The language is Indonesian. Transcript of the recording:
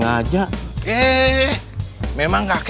kamu aja gak mempertimbangkan aku ya